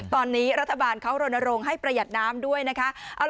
ตอนนี้รัฐบาลเขารณรงค์ให้ประหยัดน้ำด้วยนะคะ